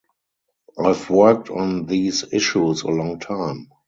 I’ve worked on these issues a long time.